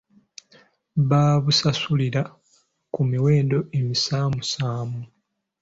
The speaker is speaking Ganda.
Babusasulira ku miwendo emisaamusaamu.